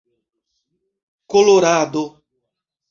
kolorado